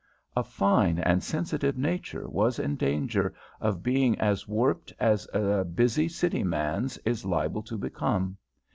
A fine and sensitive nature was in danger of being as warped as a busy city man's is liable to become.